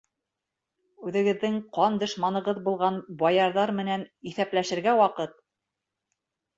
Үҙегеҙҙең ҡан дошманығыҙ булған баярҙар менән иҫәпләшергә ваҡыт!